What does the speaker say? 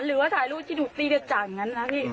หรือว่าถ่ายรูปที่ถูกตีจากอย่างนั้นนะพี่